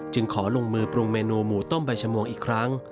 ขอลงมือปรุงเมนูหมูต้มใบชมวงอีกครั้ง